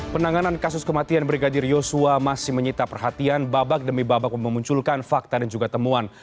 penanganan kasus kematian brigadir yosua masih menyita perhatian babak demi babak memunculkan fakta dan juga temuan